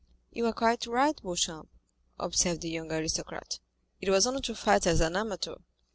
"You are quite right, Beauchamp," observed the young aristocrat. "It was only to fight as an amateur.